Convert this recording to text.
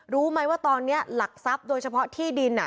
รู้ไหมว่าตอนนี้หลักทรัพย์โดยเฉพาะที่ดิน